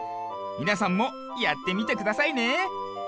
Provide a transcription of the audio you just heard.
みなさんもやってみてくださいね。